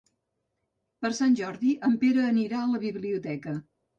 Per Sant Jordi en Pere anirà a la biblioteca.